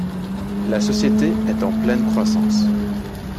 La société est en pleine croissance.